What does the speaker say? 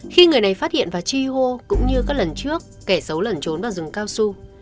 khi người này phát hiện và chi hô cũng như các lần trước kẻ xấu lẩn trốn vào rừng cao su